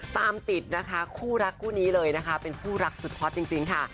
ตามติดนะคะคู่รักคู่นี้เลยนะคะเป็นคู่รักสุดฮอตจริงค่ะ